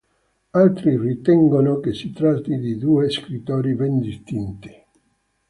Altri ritengono che si tratti di due scrittori ben distinti.